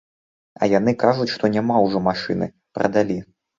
А яны кажуць, што няма ўжо машыны, прадалі.